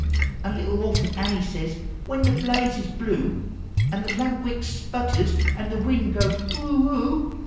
An' little Orphant Annie says, when the blaze is blue, An' the lampwick sputters, an' the wind gors woo oo